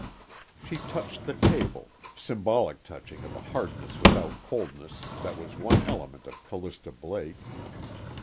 She touched the table, symbolic touching of a hardness without coldness that was one element of Callista Blake.